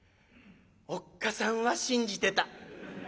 おっ母さんは信じてた。